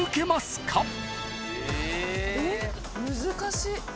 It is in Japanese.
難しい。